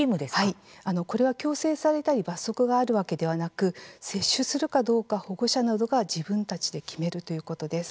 これは強制されたり罰則があるわけではなく接種するかどうか、保護者などが自分たちで決めるということです。